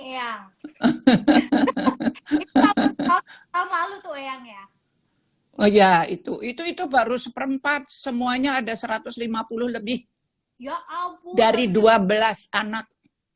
ya oh iya itu itu baru seperempat semuanya ada satu ratus lima puluh lebih dari dua belas anak